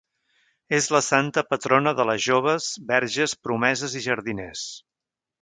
És la santa patrona de les joves, verges, promeses i jardiners.